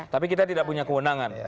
tapi kita tidak punya kewenangan